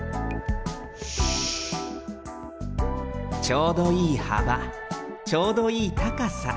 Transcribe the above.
ちょうどいいはばちょうどいいたかさ。